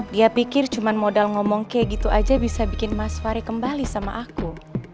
dia pikir cuma modal ngomong kayak gitu aja bisa bikin mas fari kembali sama aku